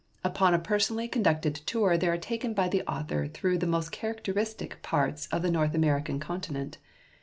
Upon a personally con ducted tour they are taken by the author through the most characteristic parts of the North American continent.